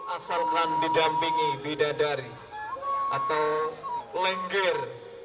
asalkan didampingi bidadari atau lengger